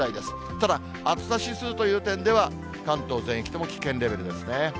ただ、暑さ指数という点では、関東全域とも危険レベルですね。